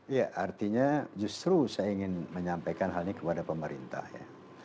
ya artinya justru saya ingin menyampaikan hal ini kepada pemerintah ya